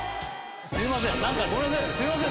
すいません